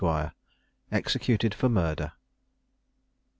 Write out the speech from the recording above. EXECUTED FOR MURDER.